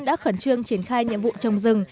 đã khẩn trương triển khai nhiệm vụ trồng rừng